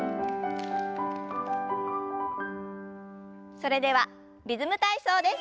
それでは「リズム体操」です。